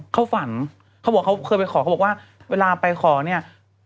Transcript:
เขาฝันเขาบอกเขาเคยไปขอเขาบอกว่าเวลาไปขอเนี่ย